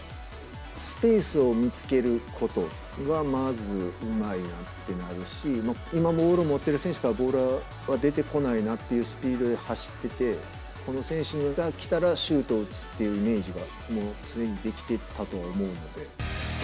スペースを見つけることが、まずうまいなと思うし、今、ボールを持ってる選手からボールは出てこないなっていうスピードで走ってて、この選手が来たらシュートを打つっていうイメージが、もう常にできてたと思うので。